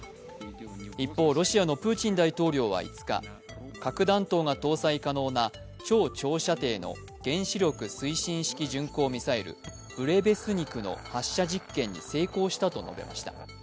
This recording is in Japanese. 一方、ロシアのプーチン大統領は５日、核弾頭が搭載可能な超長射程の原子力推進式巡航ミサイルブレベスニクの発射実験に成功したと述べました。